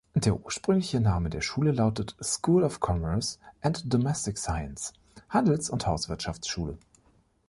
Der ursprüngliche Name der Schule lautet „School of Commerce and Domestic Science“ (Handels- und Hauswirtschaftsschule).